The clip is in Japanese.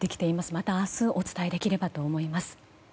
また明日お伝えできればと思います。